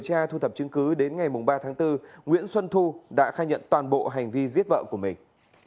điều tra thu thập chứng cứ đến ngày ba tháng bốn nguyễn xuân thu đã khai nhận toàn bộ hành vi giết vợ của mình